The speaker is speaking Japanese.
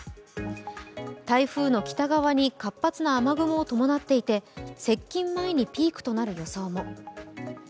台風の北側に活発な雨雲を伴っていて接近前にピークとなる予想も。